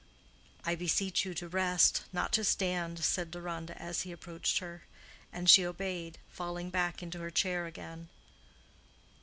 "I beseech you to rest—not to stand," said Deronda, as he approached her; and she obeyed, falling back into her chair again.